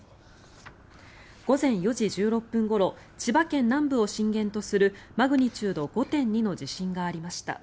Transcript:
午前４時１６分ごろ千葉県南部を震源とするマグニチュード５．２の地震がありました。